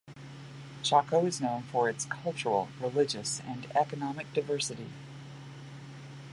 Chaco is known for its cultural, religious and economic diversity.